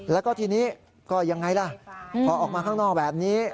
แล้วก็ทีนี้ก็ยังไงล่ะพอออกมาข้างนอกแบบนี้